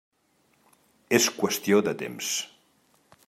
És qüestió de temps.